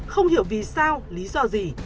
không hiểu vì sao lý do gì